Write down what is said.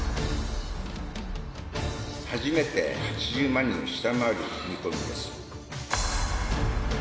初めて８０万人を下回る見込みです。